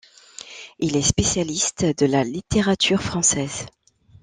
Il est spécialiste de la littérature française.